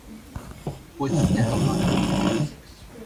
Потикӓ роман